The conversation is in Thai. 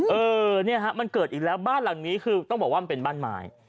เออเนี่ยฮะมันเกิดอีกแล้วบ้านหลังนี้คือต้องบอกว่ามันเป็นบ้านไม้